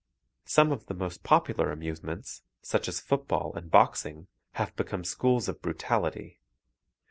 Some of the most popular amusements, such as football and boxing, have become schools of brutality.